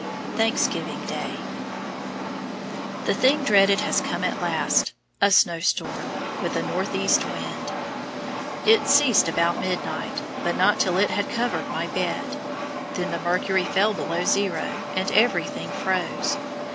Thanksgiving Day. The thing dreaded has come at last, a snow storm, with a north east wind. It ceased about midnight, but not till it had covered my bed. Then the mercury fell below zero, and everything froze.